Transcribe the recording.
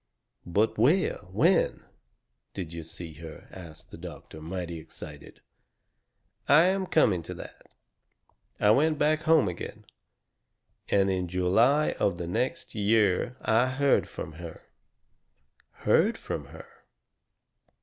"But where when did you see her?" asts the doctor, mighty excited. "I am coming to that. I went back home again. And in July of the next year I heard from her." "Heard from her?"